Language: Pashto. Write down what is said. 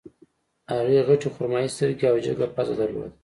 هغې غټې خرمايي سترګې او جګه پزه درلوده